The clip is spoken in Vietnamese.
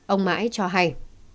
ông mãi cho hay